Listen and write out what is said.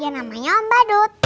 yah namanya om badut